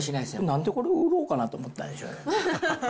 なんでこれを売ろうかなと思ったんでしょうね。